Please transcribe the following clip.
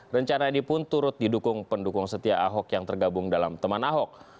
rencana ini pun turut didukung pendukung setia ahok yang tergabung dalam teman ahok